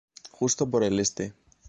Justo por el este.